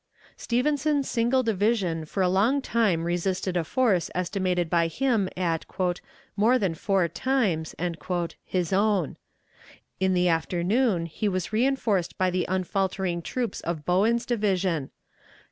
Stevenson's single division for a long time resisted a force estimated by him at "more than four times" his own. In the afternoon he was reënforced by the unfaltering troops of Bowen's division.